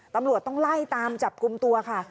ตำรวจต้องไล่ตามจับกลุ่มตัวค่ะ